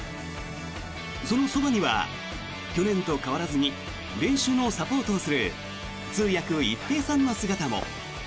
そのそばには去年と変わらずに練習のサポートをする通訳・一平さんの姿も。